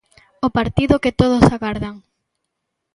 O partido que todos agardan.